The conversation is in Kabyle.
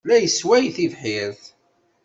La yessway tibḥirt.